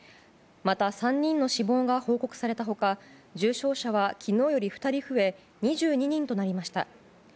また３人の死亡が報告された他重症者は昨日より２人増え２２人となりました。